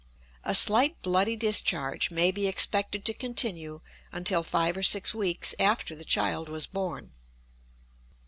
A slight bloody discharge may be expected to continue until five or six weeks after the child was born.